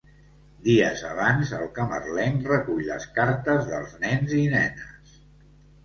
Dies abans, el Camarlenc recull les cartes dels nens i nenes.